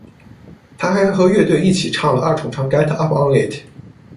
他还和乐队一起唱了二重唱《Get Up on It》。